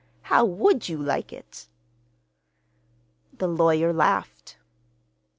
How would you like it?" The lawyer laughed.